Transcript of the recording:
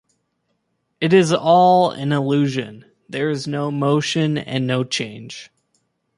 It is all an illusion: there is no motion and no change.